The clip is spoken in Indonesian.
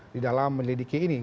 di dalam menyelidiki ini